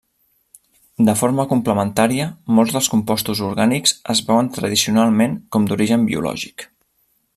De forma complementària molts dels compostos orgànics es veuen tradicionalment com d'origen biològic.